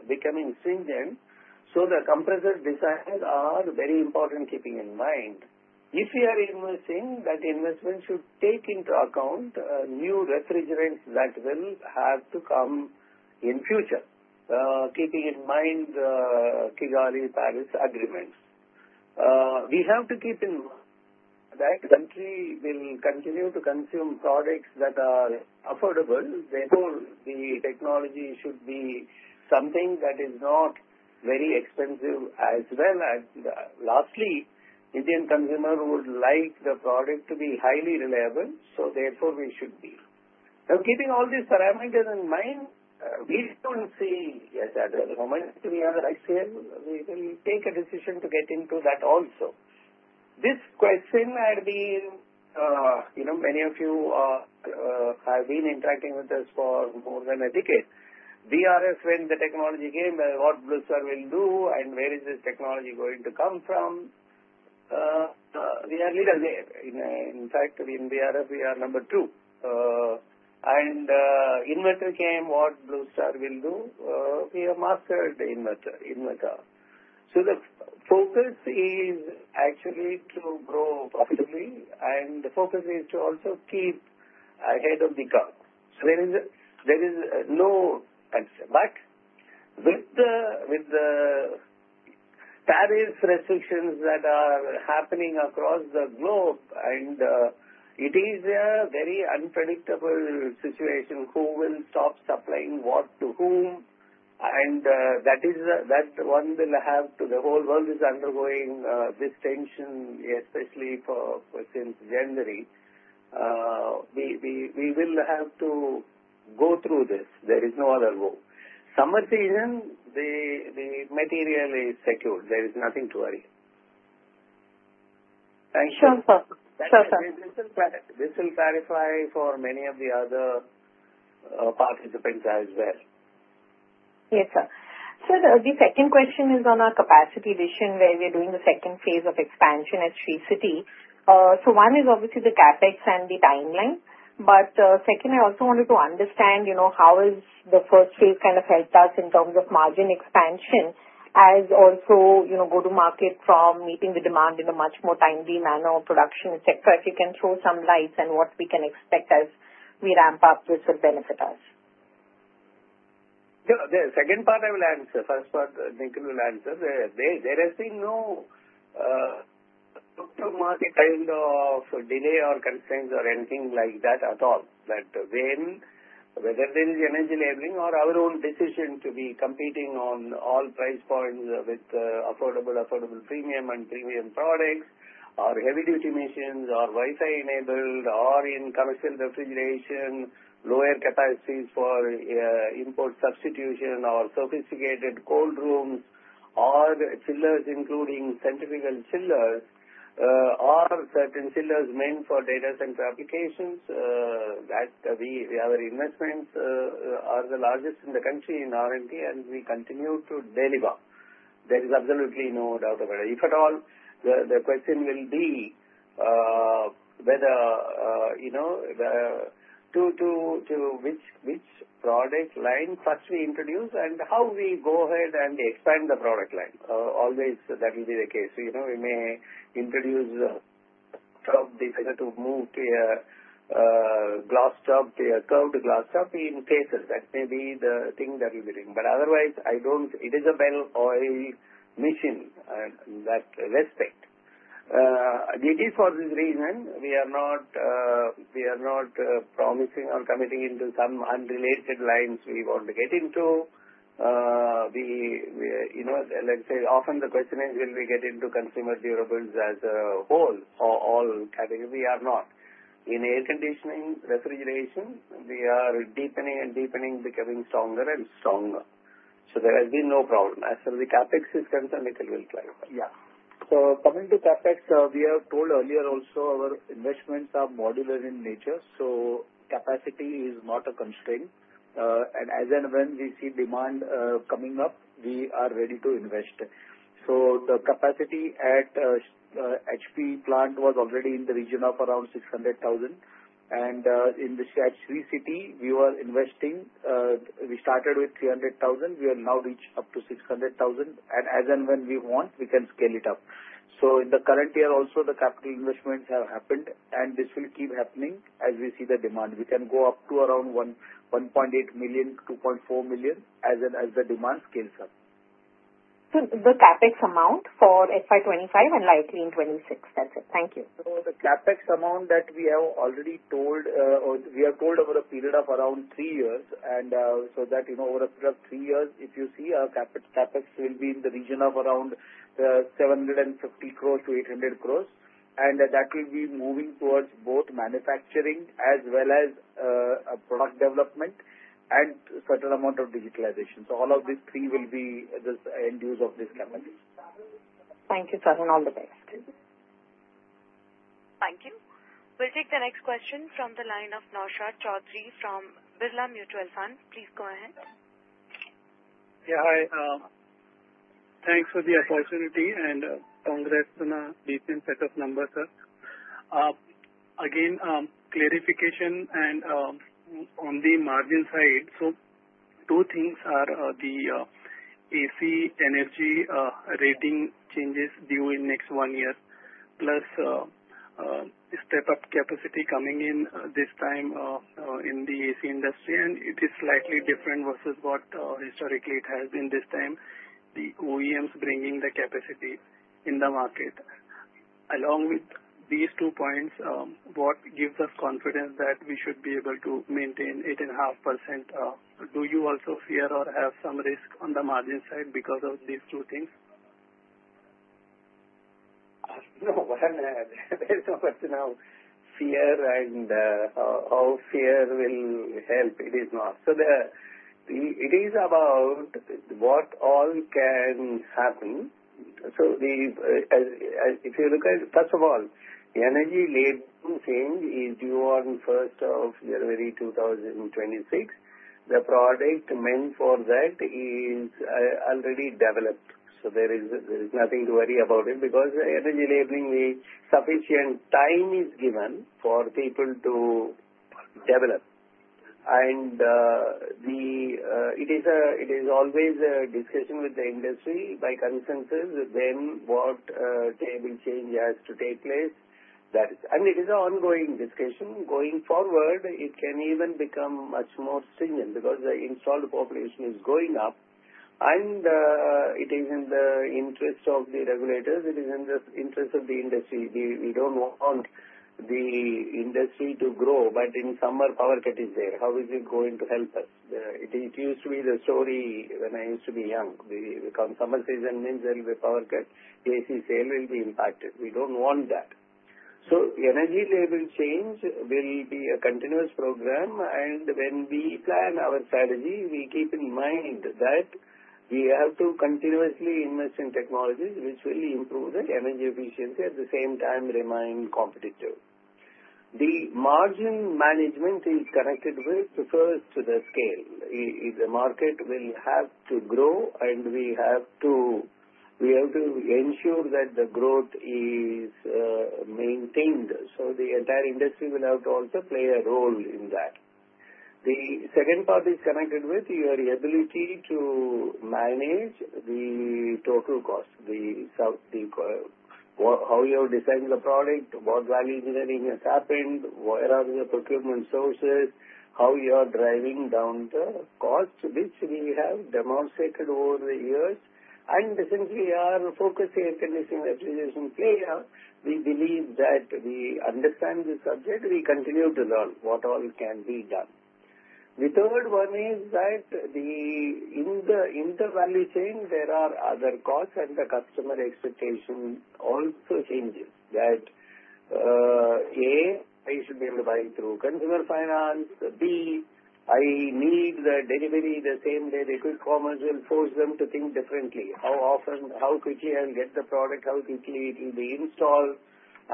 becoming stringent, so the compressor designs are very important keeping in mind. If you are investing, that investment should take into account new refrigerants that will have to come in future, keeping in mind Kigali-Paris agreements. We have to keep in mind that the country will continue to consume products that are affordable. Therefore, the technology should be something that is not very expensive as well. Lastly, Indian consumer would like the product to be highly reliable. So therefore, we should be. Now, keeping all this parameter in mind, we don't see yet at the moment. We are the right share. We will take a decision to get into that also. This question has been. Many of you have been interacting with us for more than a decade. VRF, when the technology came, what Blue Star will do, and where is this technology going to come from? We are leaders there. In fact, in VRF, we are number two. And inverter came, what Blue Star will do? We are Master Inverter. So the focus is actually to grow profitably, and the focus is to also keep ahead of the curve. So there is no answer. But with the Paris restrictions that are happening across the globe, and it is a very unpredictable situation who will stop supplying what to whom. And that one will have to the whole world is undergoing this tension, especially for since January. We will have to go through this. There is no other way. Summer season, the material is secured. There is nothing to worry. Thank you. Sure, sir. This will clarify for many of the other participants as well. Yes, sir. Sir, the second question is on our capacity vision where we're doing the second phase of expansion at Sri City. So one is obviously the CapEx and the timeline. But second, I also wanted to understand how has the first phase kind of helped us in terms of margin expansion as also go-to-market from meeting the demand in a much more timely manner of production, etc. If you can throw some lights on what we can expect as we ramp up, this will benefit us. Yeah. The second part I will answer. First part, Nikhil will answer. There has been no go-to-market kind of delay or concerns or anything like that at all. That, whether there is energy labeling or our own decision to be competing on all price points with affordable, affordable premium and premium products or heavy-duty machines or Wi-Fi-enabled or in commercial refrigeration, lower capacities for import substitution or sophisticated cold rooms or chillers, including centrifugal chillers or certain chillers meant for data center applications. That we have investments are the largest in the country in R&D, and we continue to deliver. There is absolutely no doubt about it. If at all, the question will be whether to which product line first we introduce and how we go ahead and expand the product line. Always that will be the case. We may introduce to move to a glass top, curved glass top in cases. That may be the thing that we will bring. But otherwise, it is a bold mission in that respect. It is for this reason we are not promising or committing into some unrelated lines we want to get into. Let's say often the question is, will we get into consumer durables as a whole or all category? We are not. In air conditioning, refrigeration, we are deepening and deepening, becoming stronger and stronger. So there has been no problem. As for the CapEx is concerned, Nikhil will clarify. Yeah. So coming to CapEx, we have told earlier also our investments are modular in nature. Capacity is not a constraint, and as and when we see demand coming up, we are ready to invest. The capacity at HP plant was already in the region of around 600,000, and in the Sri City, we were investing. We started with 300,000. We have now reached up to 600,000, and as and when we want, we can scale it up. In the current year, also the capital investments have happened, and this will keep happening as we see the demand. We can go up to around 1.8 million-2.4 million as the demand scales up. The CapEx amount for FY 2025 and likely in FY 2026. That's it. Thank you. The CapEx amount that we have already told, we have told over a period of around three years. And so that over a period of three years, if you see, our CapEx will be in the region of around 750-800 crores. And that will be moving towards both manufacturing as well as product development and a certain amount of digitalization. So all of these three will be the end use of this CapEx. Thank you, sir, and all the best. Thank you. We'll take the next question from the line of Naushad Chaudhary from Birla Mutual Fund. Please go ahead. Yeah. Hi. Thanks for the opportunity and congrats on a decent set of numbers, sir. Again, clarification on the margin side. So two things are the AC energy rating changes due in next one year, plus step-up capacity coming in this time in the AC industry. And it is slightly different versus what historically it has been this time. The OEMs bringing the capacity in the market. Along with these two points, what gives us confidence that we should be able to maintain 8.5%? Do you also fear or have some risk on the margin side because of these two things? No. I have no question now. Fear and all fear will help. It is not. So it is about what all can happen. So if you look at, first of all, the energy labeling change is due on 1st of January 2026. The product meant for that is already developed. So there is nothing to worry about it because energy labeling, sufficient time is given for people to develop. And it is always a discussion with the industry by consensus when what label change has to take place. And it is an ongoing discussion. Going forward, it can even become much more stringent because the installed population is going up, and it is in the interest of the regulators. It is in the interest of the industry. We don't want the industry to grow, but in summer, power cut is there. How is it going to help us? It used to be the story when I used to be young. The summer season means there will be power cut. The AC sale will be impacted. We don't want that, so energy label change will be a continuous program, and when we plan our strategy, we keep in mind that we have to continuously invest in technologies which will improve the energy efficiency at the same time remain competitive. The margin management is connected with the first to the scale. The market will have to grow, and we have to ensure that the growth is maintained so the entire industry will have to also play a role in that. The second part is connected with your ability to manage the total cost, how you are designing the product, what value engineering has happened, where are the procurement sources, how you are driving down the cost, which we have demonstrated over the years, and since we are a focused air conditioning utilization player, we believe that we understand the subject. We continue to learn what all can be done. The third one is that in the value chain, there are other costs and the customer expectation also changes. That A, I should be able to buy it through consumer finance. B, I need the delivery the same day. The quick commerce will force them to think differently. How often, how quickly I'll get the product, how quickly it will be installed,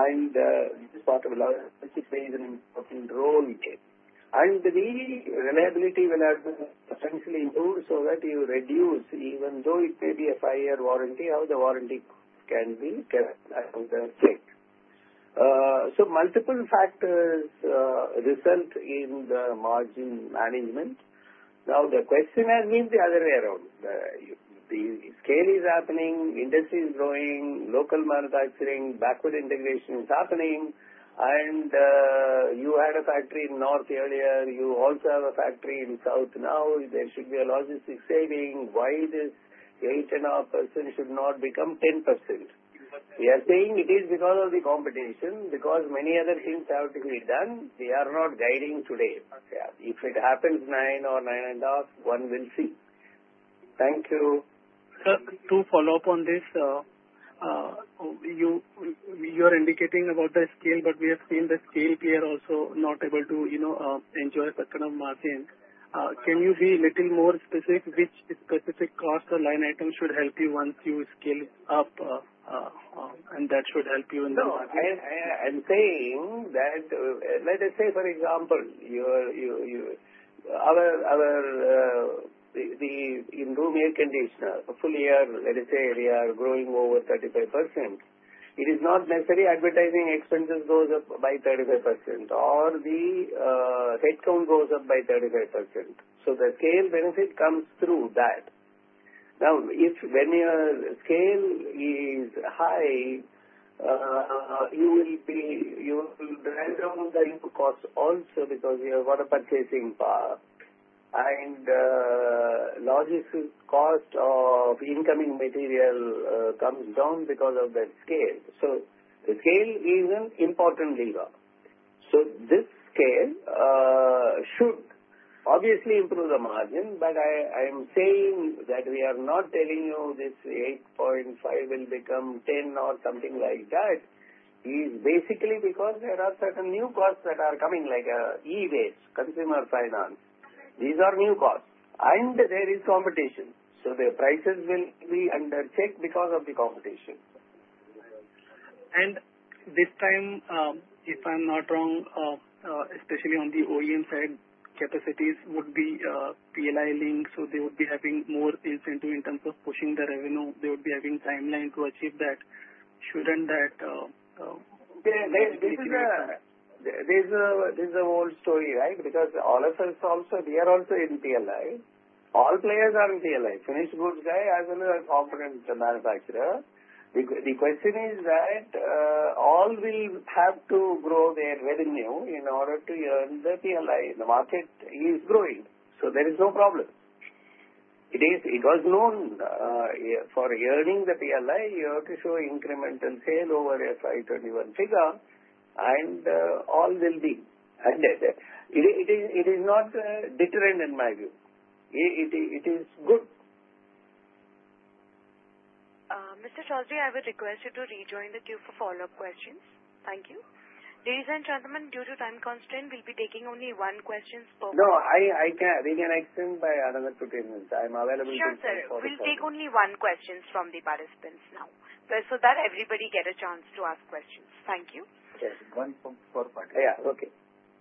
and this part of life plays an important role, and the reliability will have to essentially improve so that you reduce, even though it may be a five-year warranty, how the warranty can be checked, so multiple factors result in the margin management. Now, the question has been the other way around. The scale is happening. Industry is growing. Local manufacturing, backward integration is happening, and you had a factory in North earlier. You also have a factory in South now. There should be a logistics saving. Why this 8.5% should not become 10%? We are saying it is because of the competition, because many other things have to be done. We are not guiding today. If it happens 9 or 9 and a half, one will see. Thank you. Sir, to follow up on this, you are indicating about the scale, but we have seen the scale player also not able to enjoy a certain margin. Can you be a little more specific which specific cost or line item should help you once you scale up, and that should help you in the market? I'm saying that, let us say, for example, in room air conditioner, full year, let us say, we are growing over 35%. It is not necessarily advertising expenses goes up by 35% or the headcount goes up by 35%. So the scale benefit comes through that. Now, when your scale is high, you will drive down the cost also because you have greater purchasing power. And logistics cost of incoming material comes down because of that scale. So the scale is an important lever. So this scale should obviously improve the margin, but I am saying that we are not telling you this 8.5 will become 10 or something like that. It is basically because there are certain new costs that are coming, like e-waste, consumer finance. These are new costs. And there is competition. So the prices will be under check because of the competition. And this time, if I'm not wrong, especially on the OEM side, capacities would be PLI linked. So they would be having more incentive in terms of pushing the revenue. They would be having timeline to achieve that. Shouldn't that? There's a whole story, right? Because all of us also, we are also in PLI. All players are in PLI. Finished goods guy as well as a component manufacturer. The question is that all will have to grow their revenue in order to earn the PLI. The market is growing. So there is no problem. It was known for earning the PLI, you have to show incremental sale over FY 2021 figure, and all will be, and it is not deterrent in my view. It is good. Mr. Chaudhary, I would request you to rejoin the queue for follow-up questions. Thank you. Ladies and gentlemen, due to time constraint, we'll be taking only one question per person. No, we can extend by another 20 minutes. I'm available to follow up. Sure, sir. We'll take only one question from the participants now so that everybody gets a chance to ask questions. Thank you. Okay. One for party. Yeah. Okay.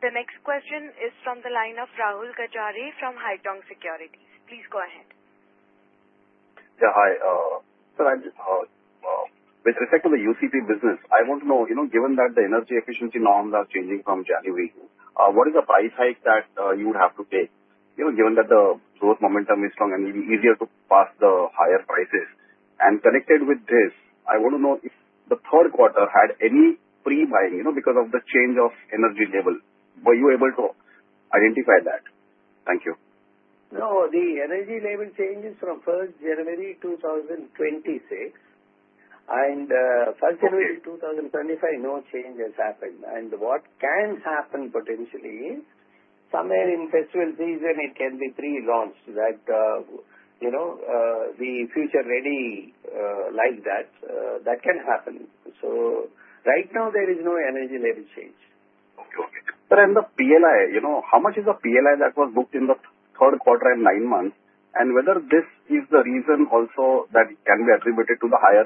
The next question is from the line of Rahul Gajare from Haitong Securities. Please go ahead. Yeah. Hi. With respect to the UCP business, I want to know, given that the energy efficiency norms are changing from January, what is the price hike that you would have to pay? Given that the growth momentum is strong and it will be easier to pass the higher prices. Connected with this, I want to know if the third quarter had any pre-buying because of the change of energy level. Were you able to identify that? Thank you. No, the energy level changes from 1st January 2026. And 1st January 2025, no changes happened. And what can happen potentially is somewhere in festival season, it can be pre-launched that the future ready like that. That can happen. Right now, there is no energy level change. But in the PLI, how much is the PLI that was booked in the third quarter and nine months? Whether this is the reason also that it can be attributed to the higher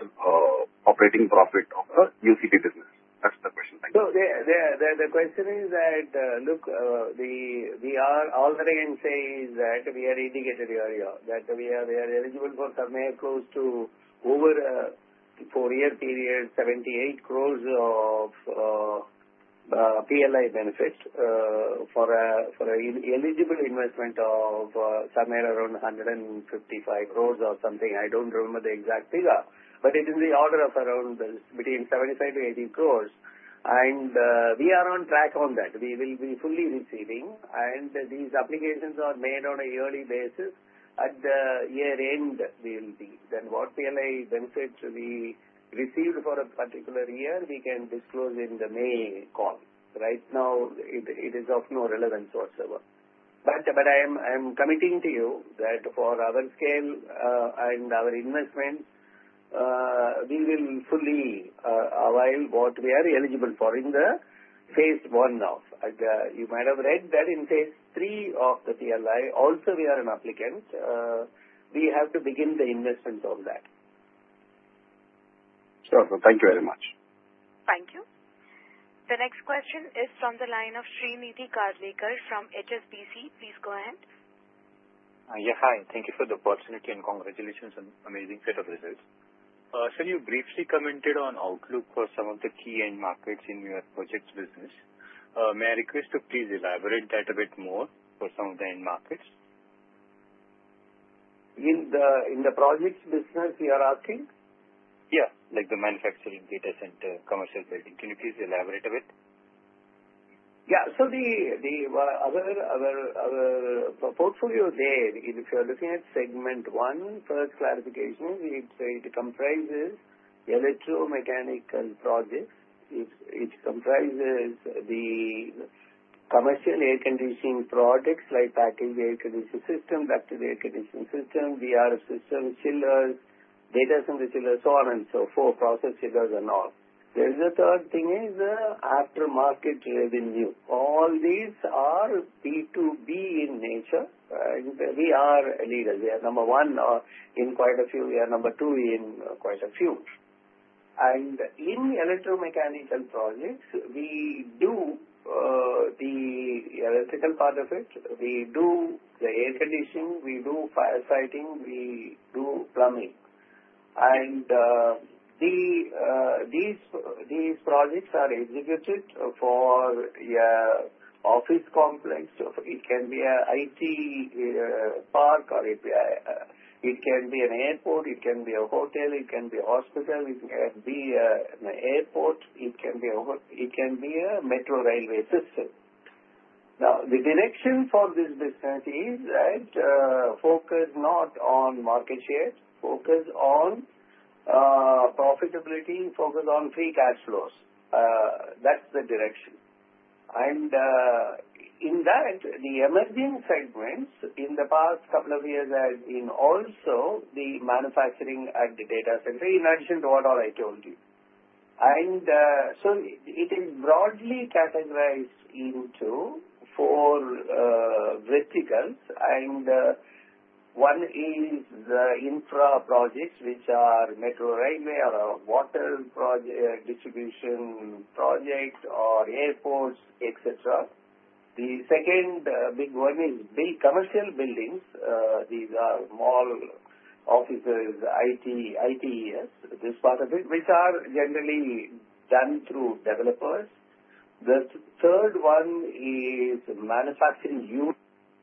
operating profit of the UCP business. That's the question. Thank you. The question is that, look, we are all the way and say that we are indicated that we are eligible for somewhere close to over a four-year period, 78 crores of PLI benefit for an eligible investment of somewhere around 155 crores or something. I don't remember the exact figure, but it is in the order of around between 75-80 crores. We are on track on that. We will be fully receiving. These applications are made on a yearly basis. At the year end, we will be. Then what PLI benefit we received for a particular year, we can disclose in the May call. Right now, it is of no relevance whatsoever. But I am committing to you that for our scale and our investment, we will fully avail what we are eligible for in the phase one now. You might have read that in phase three of the PLI, also we are an applicant. We have to begin the investment of that. Sure. Thank you very much. Thank you. The next question is from the line of Shrinidhi Karlekar from HSBC. Please go ahead. Yeah. Hi. Thank you for the opportunity and congratulations on an amazing set of results. Sir, you briefly commented on outlook for some of the key end markets in your project business. May I request to please elaborate that a bit more for some of the end markets? In the project business, you are asking? Yeah. Like the manufacturing, data center, commercial building. Can you please elaborate a bit? Yeah. Our portfolio there, if you're looking at segment one, first clarification, it comprises electromechanical projects. It comprises the commercial air conditioning products like packaged air conditioning system, ducted air conditioning system, VRF system, chillers, data center chillers, so on and so forth, process chillers and all. There is a third thing is aftermarket revenue. All these are B2B in nature. We are a leader. We are number one in quite a few. We are number two in quite a few. And in electromechanical projects, we do the electrical part of it. We do the air conditioning. We do fire fighting. We do plumbing. And these projects are executed for office complex. It can be an IT park or it can be an airport. It can be a hotel. It can be a hospital. It can be an airport. It can be a metro railway system. Now, the direction for this business is that focus not on market share, focus on profitability, focus on free cash flows. That's the direction, and in that, the emerging segments in the past couple of years have been also the manufacturing and the data center in addition to what all I told you. And so it is broadly categorized into four verticals, and one is the infra projects, which are metro railway or water distribution project or airports, etc. The second big one is commercial buildings. These are mall offices, ITs, this part of it, which are generally done through developers. The third one is manufacturing.